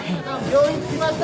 病院着きました